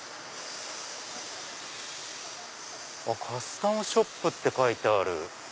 カスタムショップって書いてある。